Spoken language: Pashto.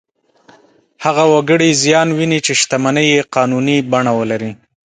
هغه وګړي زیان ویني چې شتمنۍ یې قانوني بڼه ولري.